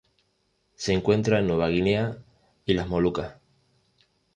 Se encuentra en Nueva Guinea y las Molucas.